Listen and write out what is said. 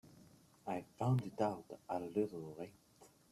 I found it out a little late.